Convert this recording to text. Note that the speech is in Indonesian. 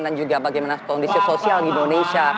dan juga bagaimana kondisi sosial di indonesia